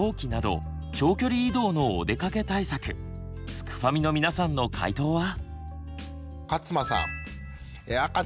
すくファミの皆さんの回答は？